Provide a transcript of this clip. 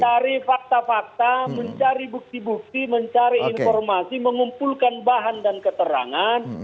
mencari fakta fakta mencari bukti bukti mencari informasi mengumpulkan bahan dan keterangan